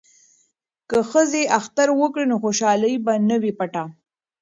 که ښځې اختر وکړي نو خوشحالي به نه وي پټه.